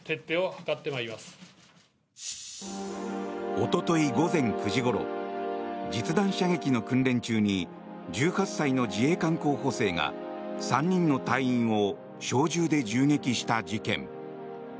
おととい午前９時ごろ実弾射撃の訓練中に１８歳の自衛官候補生が３人の隊員を小銃で銃撃した事件。